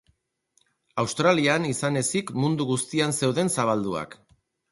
Australian izan ezik mundu guztian zeuden zabalduak.